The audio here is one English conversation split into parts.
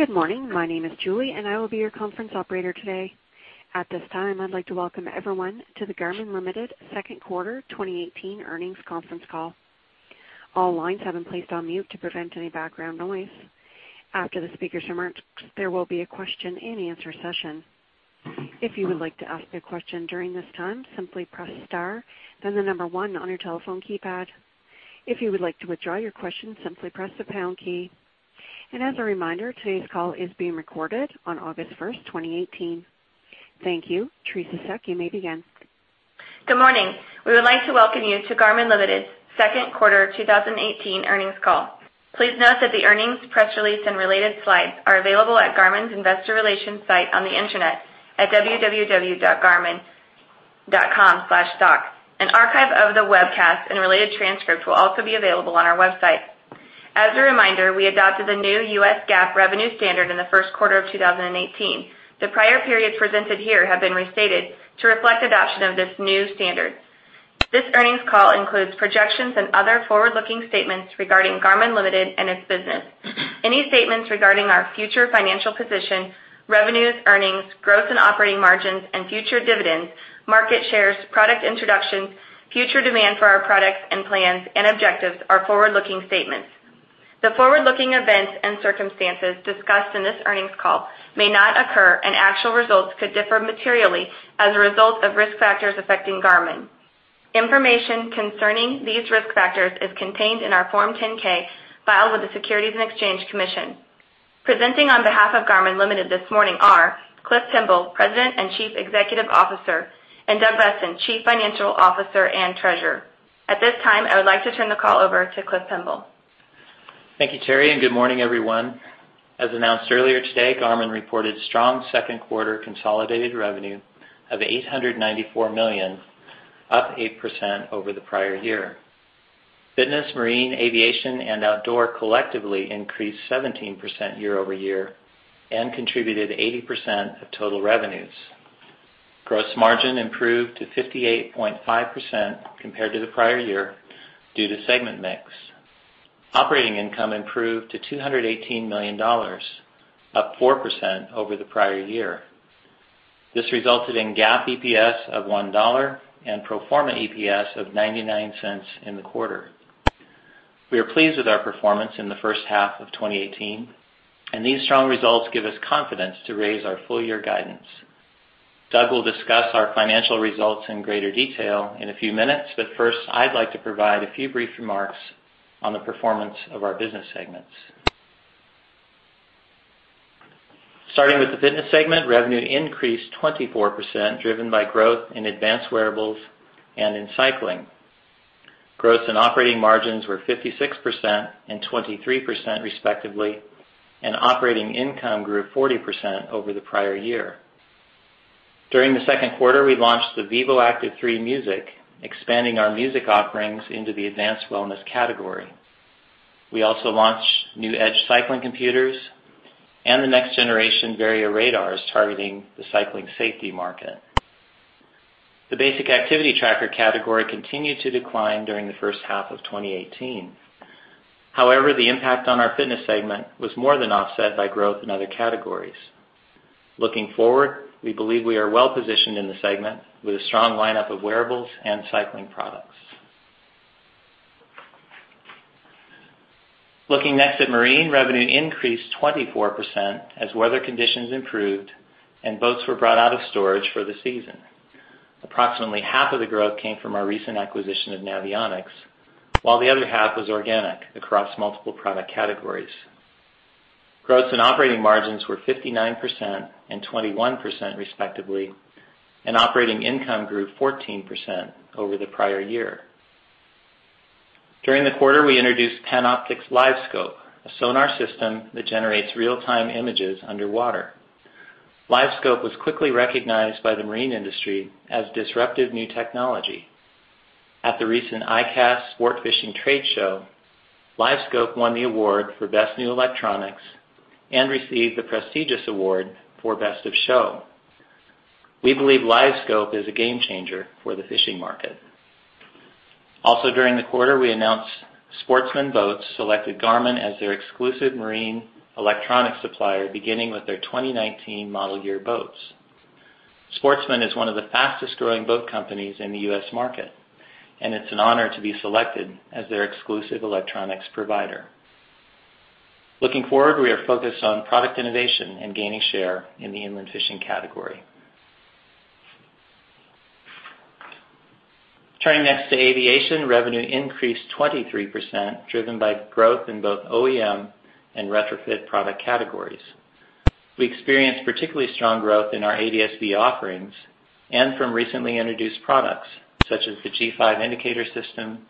Good morning. My name is Julie, and I will be your conference operator today. At this time, I'd like to welcome everyone to the Garmin Ltd. Second Quarter 2018 Earnings Conference Call. All lines have been placed on mute to prevent any background noise. After the speaker's remarks, there will be a question-and-answer session. If you would like to ask a question during this time, simply press star, then the number one on your telephone keypad. If you would like to withdraw your question, simply press the pound key. As a reminder, today's call is being recorded on August 1st, 2018. Thank you. Teri Seck, you may begin. Good morning. We would like to welcome you to Garmin Ltd.'s second quarter 2018 earnings call. Please note that the earnings press release and related slides are available at Garmin's Investor Relations site on the internet at www.garmin.com/stock. An archive of the webcast and related transcript will also be available on our website. As a reminder, we adopted the new U.S. GAAP revenue standard in the first quarter of 2018. The prior periods presented here have been restated to reflect adoption of this new standard. This earnings call includes projections and other forward-looking statements regarding Garmin Ltd. and its business. Any statements regarding our future financial position, revenues, earnings, growth and operating margins and future dividends, market shares, product introductions, future demand for our products, and plans and objectives are forward-looking statements. The forward-looking events and circumstances discussed in this earnings call may not occur, and actual results could differ materially as a result of risk factors affecting Garmin. Information concerning these risk factors is contained in our Form 10-K filed with the Securities and Exchange Commission. Presenting on behalf of Garmin Ltd. this morning are Cliff Pemble, President and Chief Executive Officer, and Doug Boessen, Chief Financial Officer and Treasurer. At this time, I would like to turn the call over to Cliff Pemble. Thank you, Teri, and good morning, everyone. As announced earlier today, Garmin reported strong second quarter consolidated revenue of $894 million, up 8% over the prior year. Fitness, marine, aviation, and outdoor collectively increased 17% year-over-year and contributed 80% of total revenues. Gross margin improved to 58.5% compared to the prior year due to segment mix. Operating income improved to $218 million, up 4% over the prior year. This resulted in GAAP EPS of $1 and pro forma EPS of $0.99 in the quarter. We are pleased with our performance in the first half of 2018, and these strong results give us confidence to raise our full year guidance. Doug will discuss our financial results in greater detail in a few minutes, but first, I'd like to provide a few brief remarks on the performance of our business segments. Starting with the fitness segment, revenue increased 24%, driven by growth in advanced wearables and in cycling. Growth in operating margins were 56% and 23% respectively, and operating income grew 40% over the prior year. During the second quarter, we launched the vívoactive 3 Music, expanding our music offerings into the advanced wellness category. We also launched new Edge cycling computers and the next generation Varia radars targeting the cycling safety market. The basic activity tracker category continued to decline during the first half of 2018. The impact on our fitness segment was more than offset by growth in other categories. Looking forward, we believe we are well positioned in the segment with a strong lineup of wearables and cycling products. Looking next at marine, revenue increased 24% as weather conditions improved and boats were brought out of storage for the season. Approximately half of the growth came from our recent acquisition of Navionics, while the other half was organic across multiple product categories. Growth in operating margins were 59% and 21% respectively, and operating income grew 14% over the prior year. During the quarter, we introduced Panoptix LiveScope, a sonar system that generates real-time images underwater. LiveScope was quickly recognized by the marine industry as disruptive new technology. At the recent ICAST sport fishing trade show, LiveScope won the award for Best New Electronics and received the prestigious award for Best of Show. We believe LiveScope is a game changer for the fishing market. Also during the quarter, we announced Sportsman Boats selected Garmin as their exclusive marine electronics supplier beginning with their 2019 model year boats. Sportsman is one of the fastest growing boat companies in the U.S. market, and it's an honor to be selected as their exclusive electronics provider. Looking forward, we are focused on product innovation and gaining share in the inland fishing category. Turning next to aviation, revenue increased 23%, driven by growth in both OEM and retrofit product categories. We experienced particularly strong growth in our ADS-B offerings and from recently introduced products such as the G5 indicator system,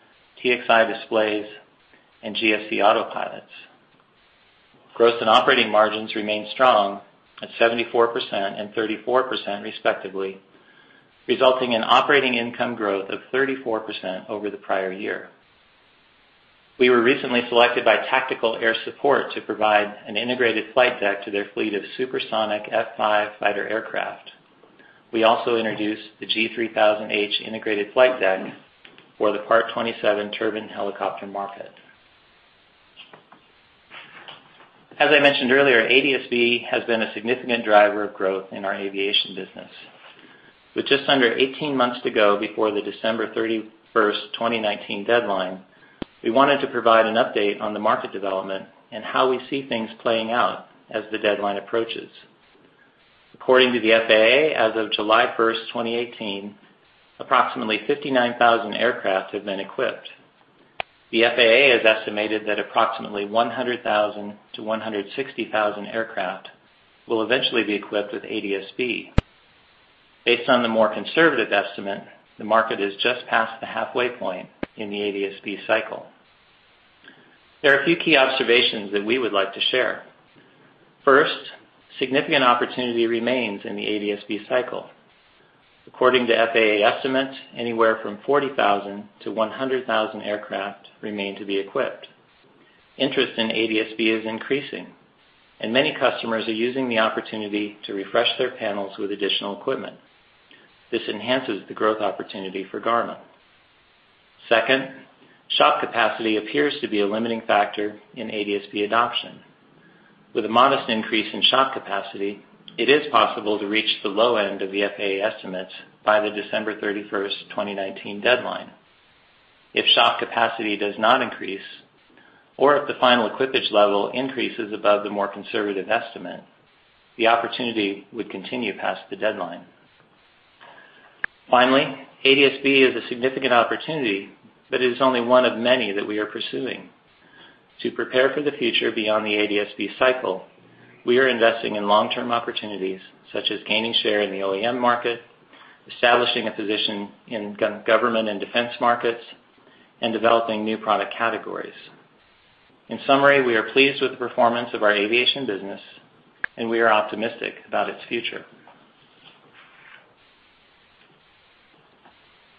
TXi displays, and GFC autopilots. Growth and operating margins remained strong at 74% and 34%, respectively, resulting in operating income growth of 34% over the prior year. We were recently selected by Tactical Air Support to provide an integrated flight deck to their fleet of supersonic F-5 fighter aircraft. We also introduced the G3000H integrated flight deck for the Part 27 turbine helicopter market. As I mentioned earlier, ADS-B has been a significant driver of growth in our aviation business. With just under 18 months to go before the December 31st, 2019 deadline, we wanted to provide an update on the market development and how we see things playing out as the deadline approaches. According to the FAA, as of July 1st, 2018, approximately 59,000 aircraft have been equipped. The FAA has estimated that approximately 100,000-160,000 aircraft will eventually be equipped with ADS-B. Based on the more conservative estimate, the market is just past the halfway point in the ADS-B cycle. There are a few key observations that we would like to share. First, significant opportunity remains in the ADS-B cycle. According to FAA estimates, anywhere from 40,000-100,000 aircraft remain to be equipped. Interest in ADS-B is increasing, and many customers are using the opportunity to refresh their panels with additional equipment. This enhances the growth opportunity for Garmin. Second, shop capacity appears to be a limiting factor in ADS-B adoption. With a modest increase in shop capacity, it is possible to reach the low end of the FAA estimates by the December 31st, 2019 deadline. If shop capacity does not increase, or if the final equipage level increases above the more conservative estimate, the opportunity would continue past the deadline. Finally, ADS-B is a significant opportunity, but it is only one of many that we are pursuing. To prepare for the future beyond the ADS-B cycle, we are investing in long-term opportunities such as gaining share in the OEM market, establishing a position in government and defense markets, and developing new product categories. In summary, we are pleased with the performance of our aviation business, and we are optimistic about its future.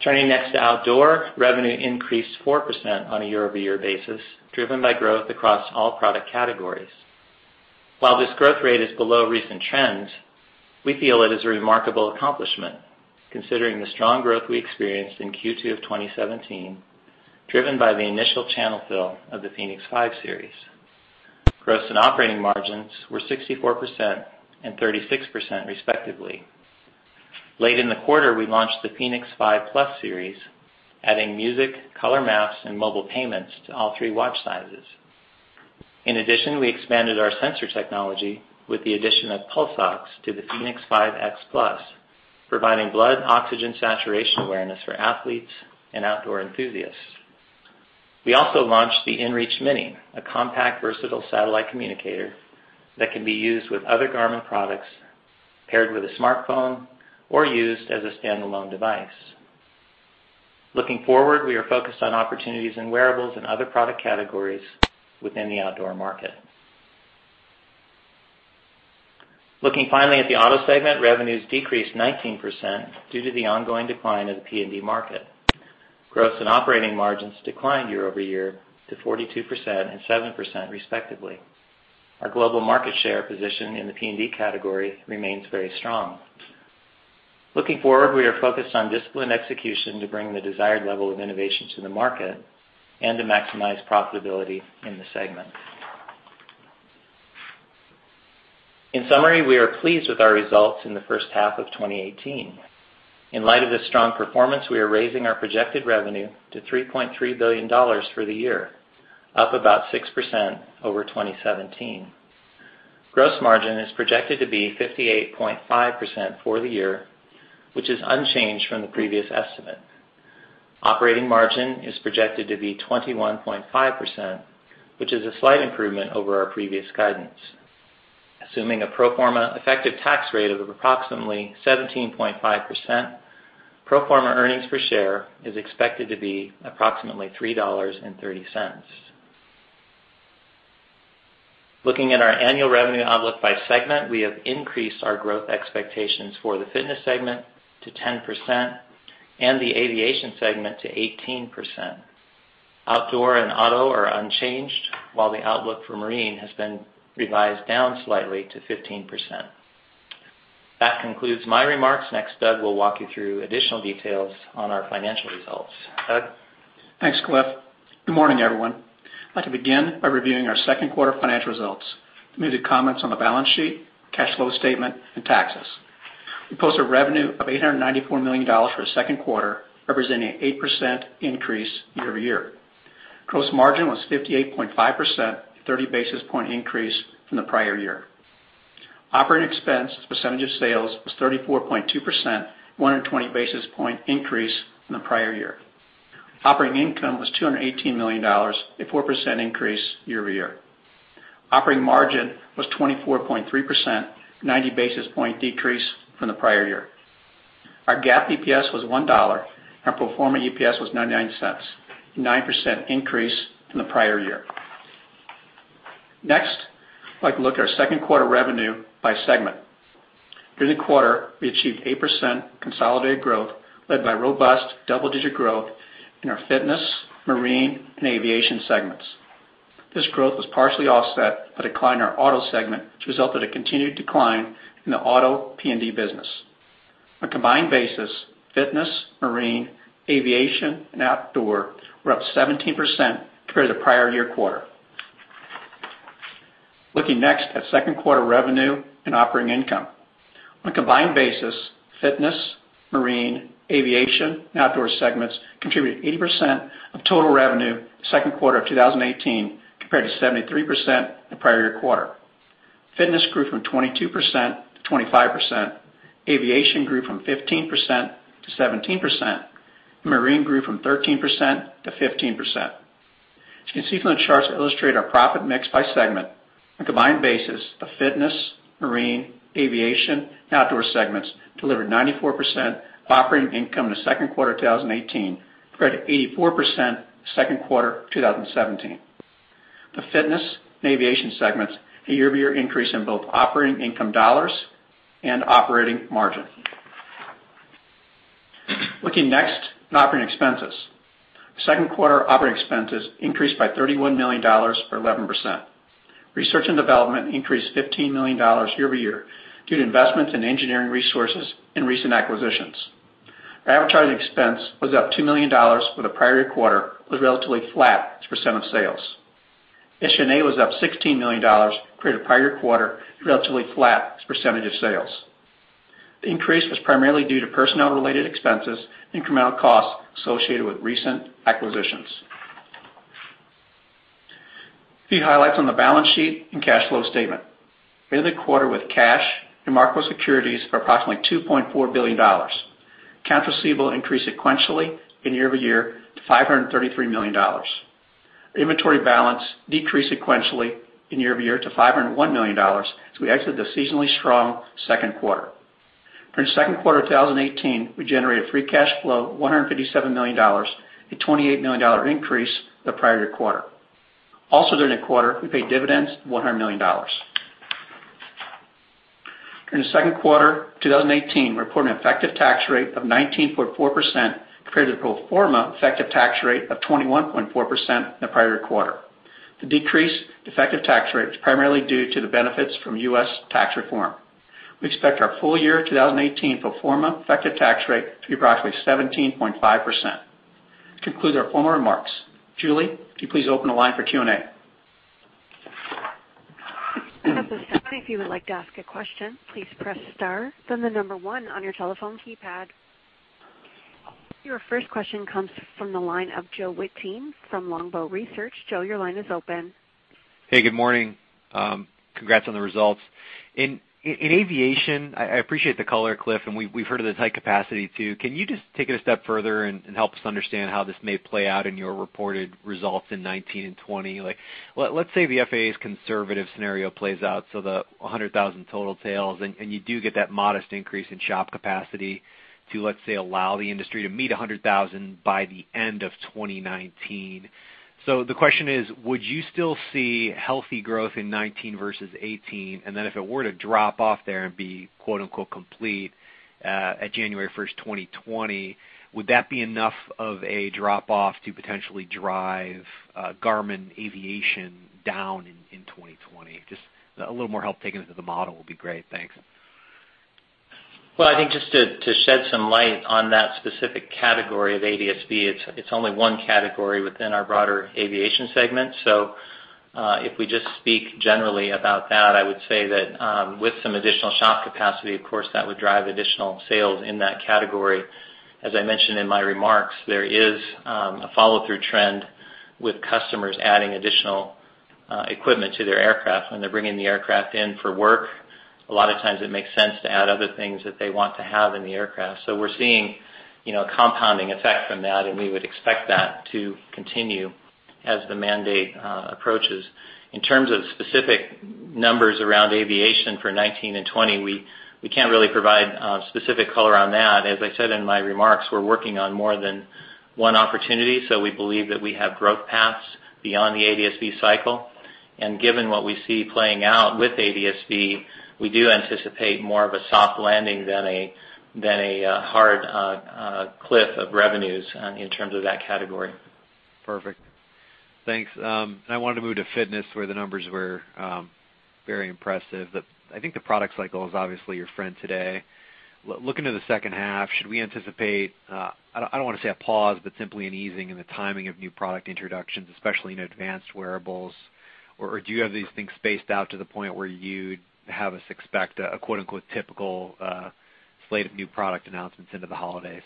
Turning next to outdoor, revenue increased 4% on a year-over-year basis, driven by growth across all product categories. While this growth rate is below recent trends, we feel it is a remarkable accomplishment considering the strong growth we experienced in Q2 of 2017, driven by the initial channel fill of the fēnix 5 series. Gross and operating margins were 64% and 36%, respectively. Late in the quarter, we launched the fēnix 5 Plus series, adding music, color maps, and mobile payments to all three watch sizes. In addition, we expanded our sensor technology with the addition of Pulse Ox to the fēnix 5X Plus, providing blood oxygen saturation awareness for athletes and outdoor enthusiasts. We also launched the inReach Mini, a compact, versatile satellite communicator that can be used with other Garmin products, paired with a smartphone, or used as a standalone device. Looking forward, we are focused on opportunities in wearables and other product categories within the outdoor market. Looking finally at the auto segment, revenues decreased 19% due to the ongoing decline of the PND market. Gross and operating margins declined year-over-year to 42% and 7%, respectively. Our global market share position in the PND category remains very strong. Looking forward, we are focused on disciplined execution to bring the desired level of innovation to the market and to maximize profitability in the segment. In summary, we are pleased with our results in the first half of 2018. In light of this strong performance, we are raising our projected revenue to $3.3 billion for the year, up about 6% over 2017. Gross margin is projected to be 58.5% for the year, which is unchanged from the previous estimate. Operating margin is projected to be 21.5%, which is a slight improvement over our previous guidance. Assuming a pro forma effective tax rate of approximately 17.5%, pro forma earnings per share is expected to be approximately $3.30. Looking at our annual revenue outlook by segment, we have increased our growth expectations for the fitness segment to 10% and the aviation segment to 18%. Outdoor and auto are unchanged, while the outlook for marine has been revised down slightly to 15%. That concludes my remarks. Next, Doug will walk you through additional details on our financial results. Doug? Thanks, Cliff. Good morning, everyone. I'd like to begin by reviewing our second quarter financial results, maybe comments on the balance sheet, cash flow statement, and taxes. We posted revenue of $894 million for the second quarter, representing an 8% increase year-over-year. Gross margin was 58.5%, a 30-basis-point increase from the prior year. Operating expense as a percentage of sales was 34.2%, a 120-basis-point increase from the prior year. Operating income was $218 million, a 4% increase year-over-year. Operating margin was 24.3%, a 90-basis-point decrease from the prior year. Our GAAP EPS was $1, and our pro forma EPS was $0.99, a 9% increase from the prior year. I'd like to look at our second quarter revenue by segment. During the quarter, we achieved 8% consolidated growth, led by robust double-digit growth in our fitness, marine, and aviation segments. This growth was partially offset by decline in our auto segment, which resulted a continued decline in the auto PND business. On a combined basis, fitness, marine, aviation, and outdoor were up 17% compared to the prior year quarter. Looking next at second quarter revenue and operating income. On a combined basis, fitness, marine, aviation, and outdoor segments contributed 80% of total revenue second quarter of 2018, compared to 73% the prior year quarter. Fitness grew from 22% to 25%. Aviation grew from 15% to 17%, and marine grew from 13% to 15%. As you can see from the charts that illustrate our profit mix by segment, on a combined basis of fitness, marine, aviation, and outdoor segments delivered 94% of operating income in the second quarter of 2018, compared to 84% second quarter 2017. The fitness and aviation segments had a year-over-year increase in both operating income dollars and operating margin. Looking next at operating expenses. Second quarter operating expenses increased by $31 million or 11%. Research and development increased $15 million year-over-year due to investments in engineering resources and recent acquisitions. Our advertising expense was up $2 million for the prior year quarter, was relatively flat as a % of sales. SG&A was up $16 million compared to the prior year quarter and relatively flat as a % of sales. The increase was primarily due to personnel-related expenses, incremental costs associated with recent acquisitions. A few highlights on the balance sheet and cash flow statement. We ended the quarter with cash and marketable securities of approximately $2.4 billion. Accounts receivable increased sequentially and year-over-year to $533 million. Inventory balance decreased sequentially and year-over-year to $501 million as we exited the seasonally strong second quarter. During the second quarter of 2018, we generated free cash flow of $157 million, a $28 million increase the prior year quarter. Also, during the quarter, we paid dividends of $100 million. During the second quarter 2018, we report an effective tax rate of 19.4% compared to the pro forma effective tax rate of 21.4% in the prior quarter. The decrease in effective tax rate was primarily due to the benefits from U.S. tax reform. We expect our full year 2018 pro forma effective tax rate to be approximately 17.5%. This concludes our formal remarks. Julie, could you please open the line for Q&A? Operator, if you would like to ask a question, please press star, then the number 1 on your telephone keypad. Your first question comes from the line of Joe Wittine from Longbow Research. Joe, your line is open. Hey, good morning. Congrats on the results. In aviation, I appreciate the color, Cliff, and we've heard of the tight capacity, too. Can you just take it a step further and help us understand how this may play out in your reported results in 2019 and 2020? Let's say the FAA's conservative scenario plays out, the 100,000 total sales, and you do get that modest increase in shop capacity to, let's say, allow the industry to meet 100,000 by the end of 2019. The question is, would you still see healthy growth in 2019 versus 2018? Then if it were to drop off there and be "complete" at January 1st, 2020, would that be enough of a drop-off to potentially drive Garmin aviation down in 2020? Just a little more help taking it to the model would be great. Thanks. Well, I think just to shed some light on that specific category of ADS-B, it's only 1 category within our broader aviation segment. If we just speak generally about that, I would say that with some additional shop capacity, of course, that would drive additional sales in that category. As I mentioned in my remarks, there is a follow-through trend with customers adding additional equipment to their aircraft. When they're bringing the aircraft in for work, a lot of times it makes sense to add other things that they want to have in the aircraft. We're seeing a compounding effect from that, and we would expect that to continue as the mandate approaches. In terms of specific numbers around aviation for 2019 and 2020, we can't really provide specific color on that. As I said in my remarks, we're working on more than one opportunity, we believe that we have growth paths beyond the ADS-B cycle. Given what we see playing out with ADS-B, we do anticipate more of a soft landing than a hard cliff of revenues in terms of that category. Perfect. Thanks. I wanted to move to fitness, where the numbers were very impressive. I think the product cycle is obviously your friend today. Looking to the second half, should we anticipate, I don't want to say a pause, but simply an easing in the timing of new product introductions, especially in advanced wearables? Or do you have these things spaced out to the point where you'd have us expect a "typical" slate of new product announcements into the holidays?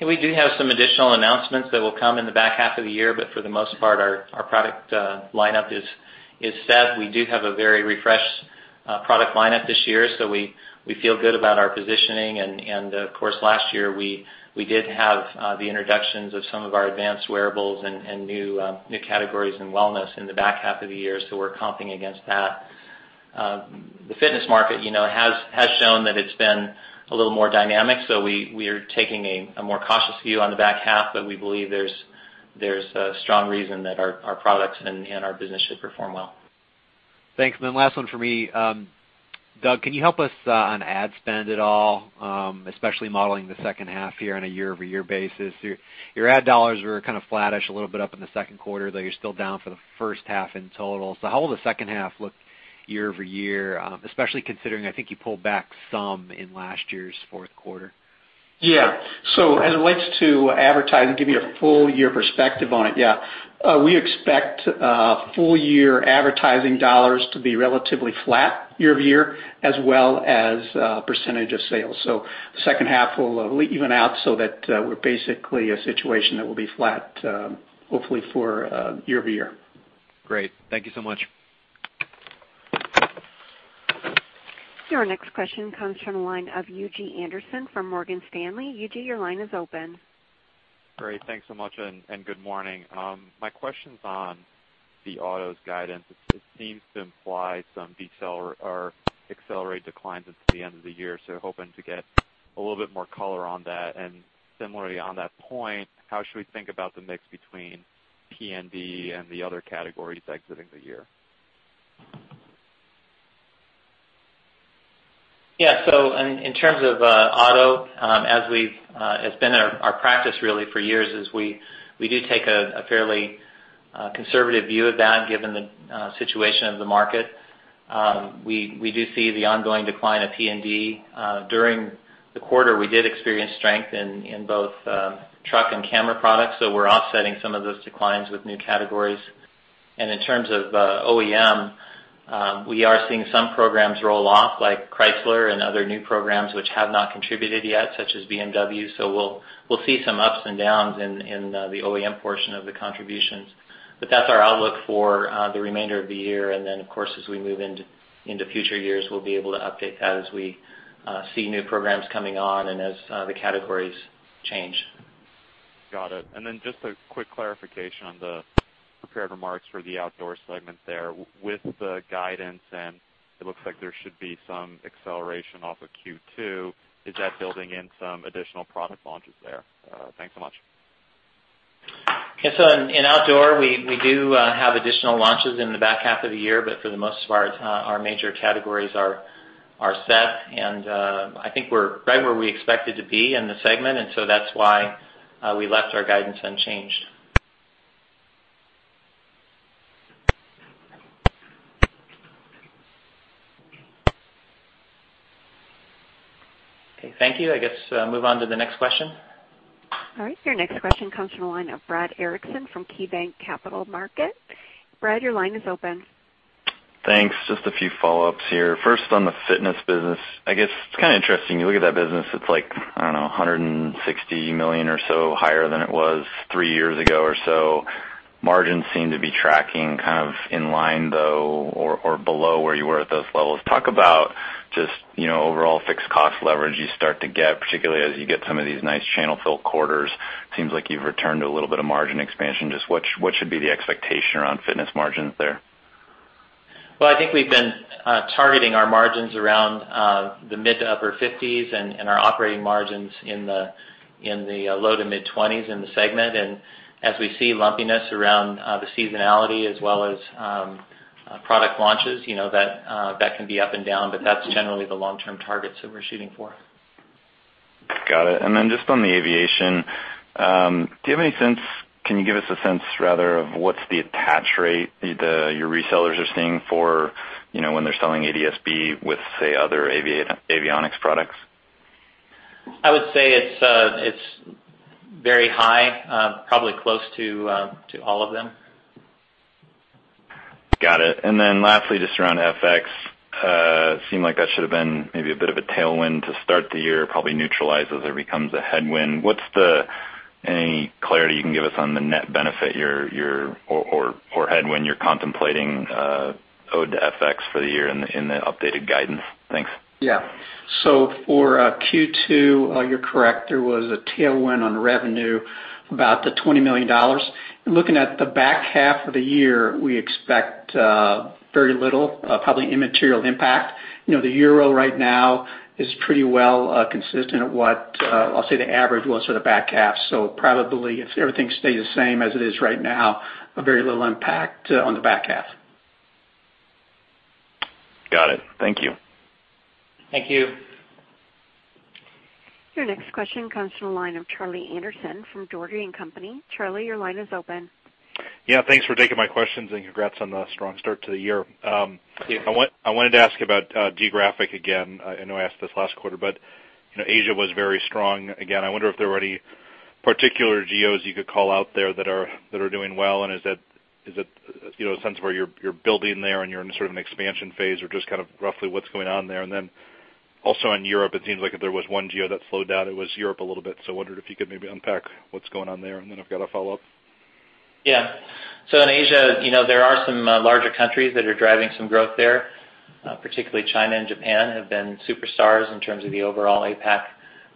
We do have some additional announcements that will come in the back half of the year, but for the most part, our product lineup is set. We do have a very refreshed product lineup this year, so we feel good about our positioning. Of course, last year, we did have the introductions of some of our advanced wearables and new categories in wellness in the back half of the year, so we're comping against that. The fitness market has shown that it's been a little more dynamic, so we are taking a more cautious view on the back half, we believe there's a strong reason that our products and our business should perform well. Thanks. Last one for me. Doug, can you help us on ad spend at all, especially modeling the second half here on a year-over-year basis? Your ad dollars were kind of flattish, a little bit up in the second quarter, though you're still down for the first half in total. How will the second half look year-over-year, especially considering, I think you pulled back some in last year's fourth quarter? As it relates to advertising, give you a full year perspective on it. We expect full year advertising dollars to be relatively flat year-over-year, as well as percentage of sales. The second half will even out so that we're basically a situation that will be flat, hopefully for year-over-year. Great. Thank you so much. Your next question comes from the line of Yuuji Anderson from Morgan Stanley. Eugene, your line is open. Great. Thanks so much. Good morning. My question's on the autos guidance. It seems to imply some decelerate declines into the end of the year, so hoping to get a little bit more color on that. Similarly on that point, how should we think about the mix between PND and the other categories exiting the year? Yeah. In terms of auto, as it's been our practice really for years, is we do take a fairly conservative view of that, given the situation of the market. We do see the ongoing decline of PND. During the quarter, we did experience strength in both truck and camera products, so we're offsetting some of those declines with new categories. In terms of OEM, we are seeing some programs roll off, like Chrysler and other new programs which have not contributed yet, such as BMW. We'll see some ups and downs in the OEM portion of the contributions. That's our outlook for the remainder of the year. Of course, as we move into future years, we'll be able to update that as we see new programs coming on and as the categories change. Got it. Just a quick clarification on the prepared remarks for the Outdoor segment there. With the guidance, it looks like there should be some acceleration off of Q2. Is that building in some additional product launches there? Thanks so much. In Outdoor, we do have additional launches in the back half of the year, but for the most part, our major categories are set. I think we're right where we expected to be in the segment, that's why we left our guidance unchanged. Okay. Thank you. I guess move on to the next question. Your next question comes from the line of Brad Erickson from KeyBanc Capital Markets. Brad, your line is open. Thanks. Just a few follow-ups here. First, on the Fitness business, I guess it's kind of interesting. You look at that business, it's $160 million or so higher than it was three years ago or so. Margins seem to be tracking kind of in line, though, or below where you were at those levels. Talk about just overall fixed cost leverage you start to get, particularly as you get some of these nice channel-fill quarters. Seems like you've returned to a little bit of margin expansion. Just what should be the expectation around Fitness margins there? Well, I think we've been targeting our margins around the mid to upper 50s and our operating margins in the low to mid-20s in the segment. As we see lumpiness around the seasonality as well as product launches, that can be up and down, but that's generally the long-term targets that we're shooting for. Got it. Then just on the aviation, do you have any sense, can you give us a sense, rather, of what's the attach rate your resellers are seeing for when they're selling ADS-B with, say, other avionics products? I would say it's very high. Probably close to all of them. Got it. Then lastly, just around FX. Seemed like that should've been maybe a bit of a tailwind to start the year, probably neutralizes or becomes a headwind. Any clarity you can give us on the net benefit or headwind you're contemplating owed to FX for the year in the updated guidance? Thanks. Yeah. For Q2, you're correct. There was a tailwind on revenue of about $20 million. Looking at the back half of the year, we expect very little, probably immaterial impact. The euro right now is pretty well consistent at what, I'll say, the average was for the back half. Probably if everything stays the same as it is right now, very little impact on the back half. Got it. Thank you. Thank you. Your next question comes from the line of Charlie Anderson from Dougherty & Company. Charlie, your line is open. Yeah. Thanks for taking my questions, and congrats on the strong start to the year. Yeah. I wanted to ask about geographic again. I know I asked this last quarter. Asia was very strong again. I wonder if there were any particular geos you could call out there that are doing well. Is it a sense where you're building there and you're in sort of an expansion phase or just kind of roughly what's going on there? Also in Europe, it seems like if there was one geo that slowed down, it was Europe a little bit. I wondered if you could maybe unpack what's going on there, and then I've got a follow-up. Yeah. In Asia, there are some larger countries that are driving some growth there. Particularly China and Japan have been superstars in terms of the overall APAC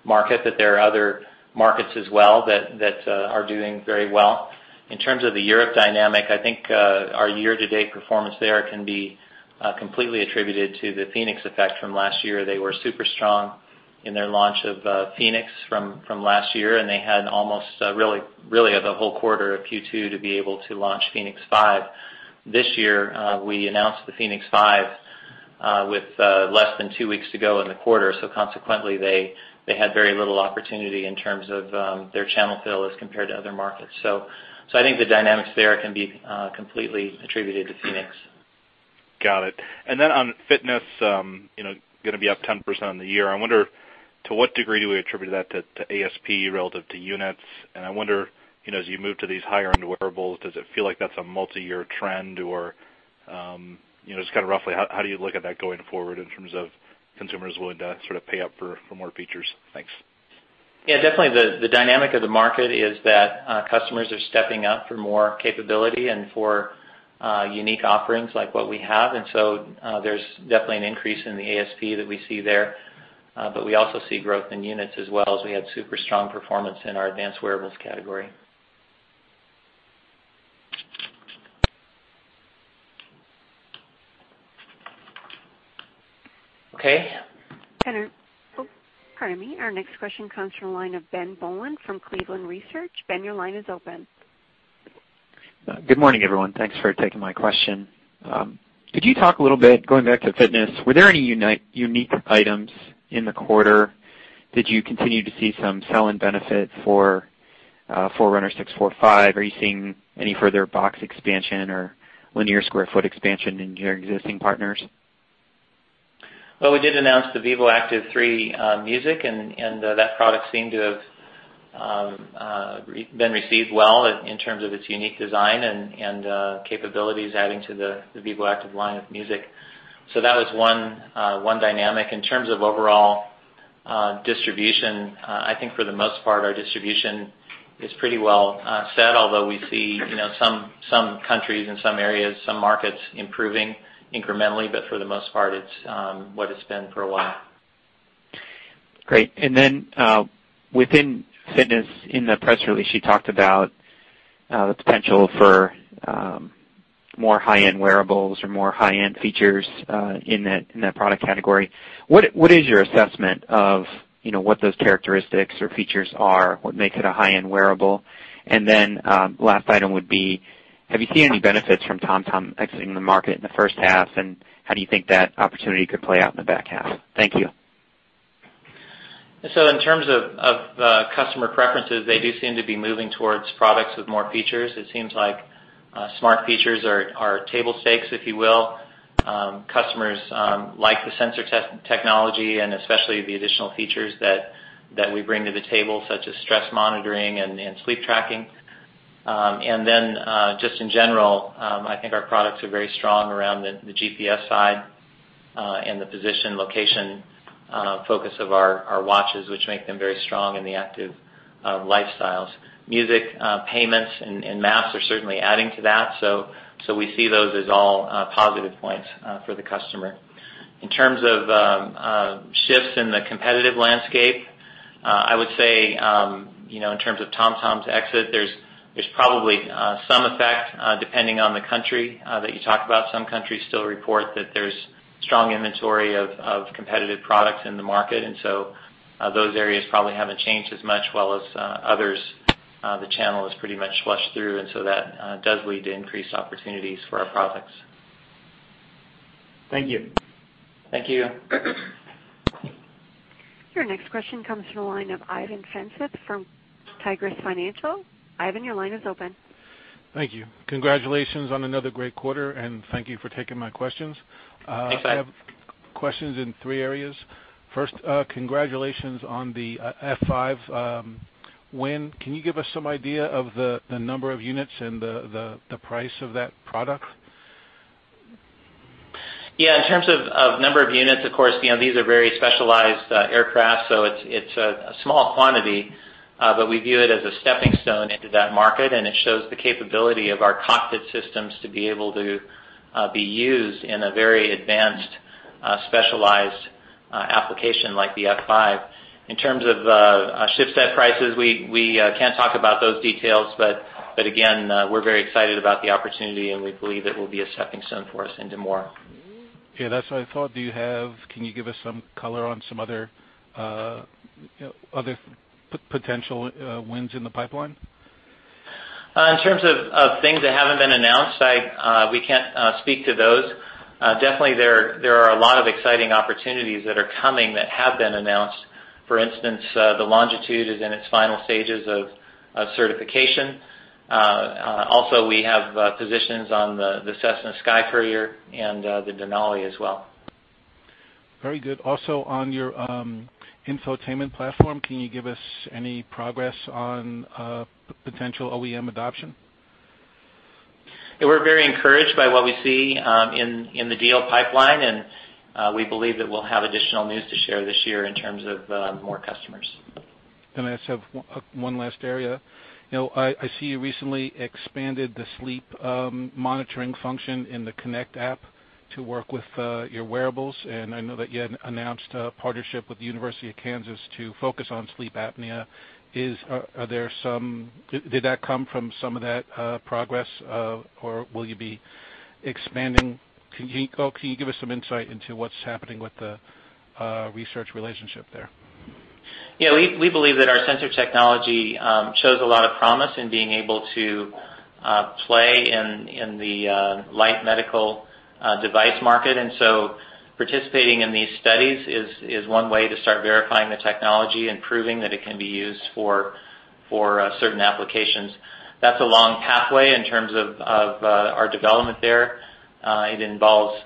market. There are other markets as well that are doing very well. In terms of the Europe dynamic, I think our year-to-date performance there can be completely attributed to the fēnix effect from last year. They were super strong in their launch of fēnix from last year. They had almost really the whole quarter of Q2 to be able to launch fēnix 5. This year, we announced the fēnix 5 with less than two weeks to go in the quarter. Consequently, they had very little opportunity in terms of their channel fill as compared to other markets. I think the dynamics there can be completely attributed to fēnix. Got it. On fitness, going to be up 10% on the year, I wonder to what degree do we attribute that to ASP relative to units? I wonder, as you move to these higher-end wearables, does it feel like that's a multi-year trend, or just kind of roughly, how do you look at that going forward in terms of consumers willing to sort of pay up for more features? Thanks. Yeah, definitely the dynamic of the market is that customers are stepping up for more capability and for unique offerings like what we have. There's definitely an increase in the ASP that we see there. We also see growth in units as well, as we had super strong performance in our advanced wearables category. Okay. Pardon me. Our next question comes from the line of Ben Bollin from Cleveland Research. Ben, your line is open. Good morning, everyone. Thanks for taking my question. Could you talk a little bit, going back to fitness, were there any unique items in the quarter? Did you continue to see some sell-in benefit for Forerunner 645? Are you seeing any further box expansion or linear square foot expansion in your existing partners? Well, we did announce the vívoactive 3 Music. That product seemed to have been received well in terms of its unique design and capabilities adding to the vívoactive line of music. That was one dynamic. In terms of overall distribution, I think for the most part, our distribution is pretty well set, although we see some countries and some areas, some markets improving incrementally. For the most part, it's what it's been for a while. Great. Within fitness, in the press release, you talked about the potential for more high-end wearables or more high-end features in that product category. What is your assessment of what those characteristics or features are, what makes it a high-end wearable? Then, last item would be, have you seen any benefits from TomTom exiting the market in the first half, and how do you think that opportunity could play out in the back half? Thank you. In terms of customer preferences, they do seem to be moving towards products with more features. It seems like smart features are table stakes, if you will. Customers like the sensor technology and especially the additional features that we bring to the table, such as stress monitoring and sleep tracking. Just in general, I think our products are very strong around the GPS side, and the position, location focus of our watches, which make them very strong in the active lifestyles. Music, payments, and maps are certainly adding to that. We see those as all positive points for the customer. In terms of shifts in the competitive landscape, I would say, in terms of TomTom's exit, there's probably some effect, depending on the country that you talk about. Some countries still report that there's strong inventory of competitive products in the market, and so those areas probably haven't changed as much, while as others, the channel is pretty much flushed through, and so that does lead to increased opportunities for our products. Thank you. Thank you. Your next question comes from the line of Ivan Feinseth from Tigress Financial Partners. Ivan, your line is open. Thank you. Congratulations on another great quarter, thank you for taking my questions. Thanks, Ivan. I have questions in three areas. First, congratulations on the F-5 win. Can you give us some idea of the number of units and the price of that product? Yeah, in terms of number of units, of course, these are very specialized aircraft, so it's a small quantity, but we view it as a stepping stone into that market, and it shows the capability of our cockpit systems to be able to be used in a very advanced, specialized application like the F-5. In terms of ship set prices, we can't talk about those details, but again, we're very excited about the opportunity, and we believe it will be a stepping stone for us into more. Yeah, that's what I thought. Can you give us some color on some other potential wins in the pipeline? In terms of things that haven't been announced, we can't speak to those. Definitely, there are a lot of exciting opportunities that are coming that have been announced. For instance, the Longitude is in its final stages of certification. Also, we have positions on the Cessna SkyCourier and the Denali as well. Very good. Also, on your infotainment platform, can you give us any progress on potential OEM adoption? We're very encouraged by what we see in the deal pipeline. We believe that we'll have additional news to share this year in terms of more customers. I just have one last area. I see you recently expanded the sleep monitoring function in the Connect app to work with your wearables. I know that you had announced a partnership with the University of Kansas to focus on sleep apnea. Did that come from some of that progress, or will you be expanding? Can you give us some insight into what's happening with the research relationship there? We believe that our sensor technology shows a lot of promise in being able to play in the light medical device market. Participating in these studies is one way to start verifying the technology and proving that it can be used for certain applications. That's a long pathway in terms of our development there. It involves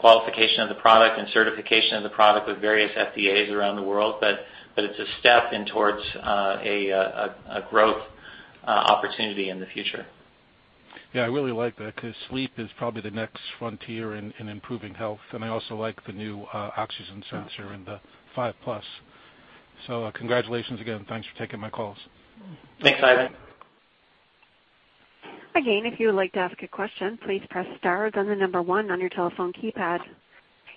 qualification of the product and certification of the product with various FDAs around the world. It's a step in towards a growth opportunity in the future. I really like that because sleep is probably the next frontier in improving health. I also like the new oxygen sensor in the 5 Plus. Congratulations again. Thanks for taking my calls. Thanks, Ivan. If you would like to ask a question, please press star, then number 1 on your telephone keypad.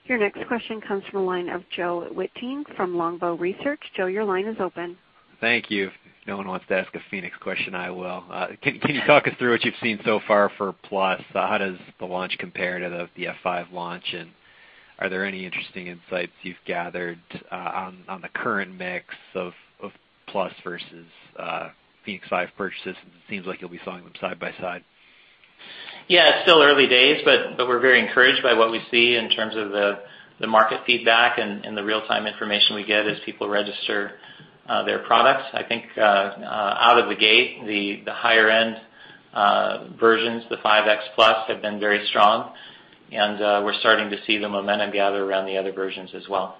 Your next question comes from the line of Joe Wittine from Longbow Research. Joe, your line is open. Thank you. If no one wants to ask a fēnix question, I will. Can you talk us through what you've seen so far for Plus? How does the launch compare to the F5 launch? Are there any interesting insights you've gathered on the current mix of Plus versus fēnix 5 purchases? It seems like you'll be selling them side by side. Yeah. It's still early days. We're very encouraged by what we see in terms of the market feedback and the real-time information we get as people register their products. I think out of the gate, the higher-end versions, the fēnix 5X Plus, have been very strong. We're starting to see the momentum gather around the other versions as well.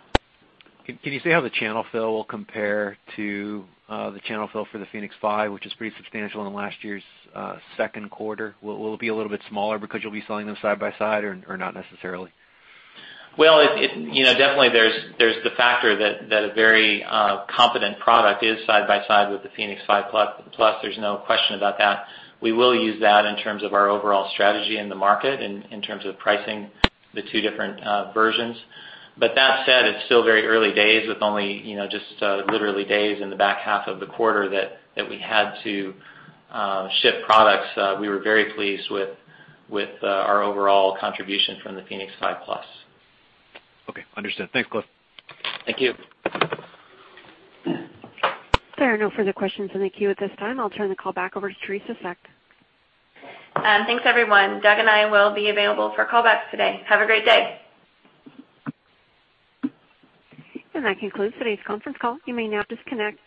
Can you say how the channel fill will compare to the channel fill for the fēnix 5, which was pretty substantial in last year's second quarter? Will it be a little bit smaller because you'll be selling them side by side, or not necessarily? Well, definitely there's the factor that a very competent product is side by side with the fēnix 5 Plus. There's no question about that. We will use that in terms of our overall strategy in the market in terms of pricing the two different versions. That said, it's still very early days with only just literally days in the back half of the quarter that we had to ship products. We were very pleased with our overall contribution from the fēnix 5 Plus. Okay. Understood. Thanks, Cliff. Thank you. There are no further questions in the queue at this time. I'll turn the call back over to Teri Seck. Thanks, everyone. Doug and I will be available for callbacks today. Have a great day. That concludes today's conference call. You may now disconnect.